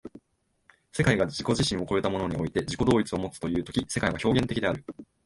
世界が自己自身を越えたものにおいて自己同一をもつという時世界は表現的である。